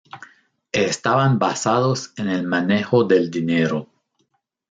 Estaban basados en el manejo del dinero.